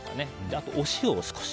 あと、お塩を少し。